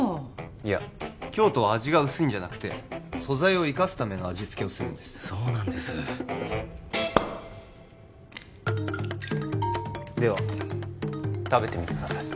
いや京都は味が薄いんじゃなくて素材を生かすための味付けをするそうなんですでは食べてみてください